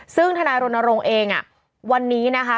ซึ่งธนายรณรงค์เองวันนี้นะคะ